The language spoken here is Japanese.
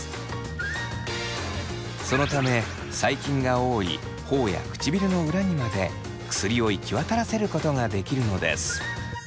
そのため細菌が多いほおや唇の裏にまで薬を行き渡らせることができるのです。